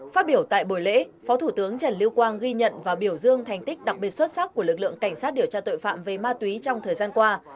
phát biểu tại buổi lễ phó thủ tướng trần lưu quang ghi nhận và biểu dương thành tích đặc biệt xuất sắc của lực lượng cảnh sát điều tra tội phạm về ma túy trong thời gian qua